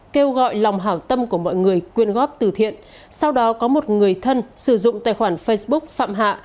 kêu gọi lòng hảo tâm của mọi người quyên góp từ thiện sau đó có một người thân sử dụng tài khoản facebook phạm hạ